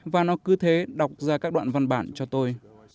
và nó cứ thế đọc ra các đoạn văn bản cho tôi